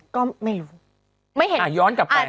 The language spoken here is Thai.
ก็ไม่รู้